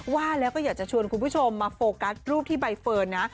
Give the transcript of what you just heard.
ว่าแล้วก็อยากจะชวนคุณผู้ชมมาโฟกัสรูปที่ใบเฟิร์นนะ